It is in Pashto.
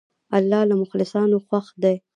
الله له مخلصانو خوښ دی.